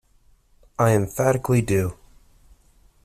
I emphatically do.